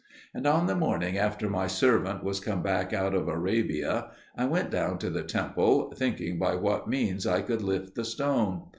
And on the morning after my servant was come back out of Arabia, I went down to the temple, thinking by what means I could lift the stone.